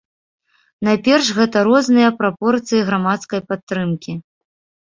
Найперш гэта розныя прапорцыі грамадскай падтрымкі.